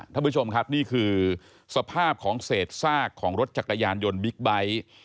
ท่านผู้ชมครับนี่คือสภาพของเศษซากของรถจักรยานยนต์บิ๊กไบท์